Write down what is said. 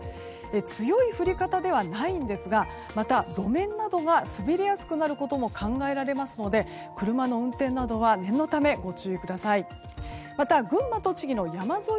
強い降り方ではないんですがまた路面などが滑りやすくなることも考えられますので車の運転などは念のためご注意ください。